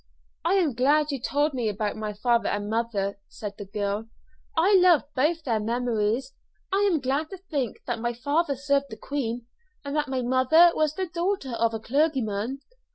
"I am glad you told me about my father and mother," said the girl. "I love both their memories. I am glad to think that my father served the Queen, and that my mother was the daughter of a clergyman.